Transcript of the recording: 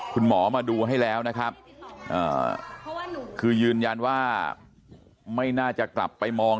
คุณหมอมาดูให้แล้วนะครับคือยืนยันว่าไม่น่าจะกลับไปมอง